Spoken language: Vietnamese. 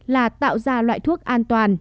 là tạo ra loại thuốc an toàn